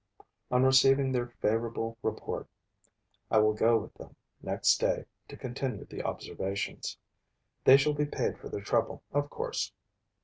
On receiving their favorable report, I will go with them, next day, to continue the observations. They shall be paid for their trouble, of course.